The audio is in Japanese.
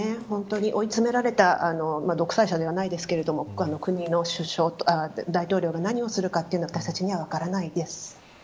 本当に追い詰められた独裁者ではないですが国の大統領が何をするかというのは私たちには分からないです。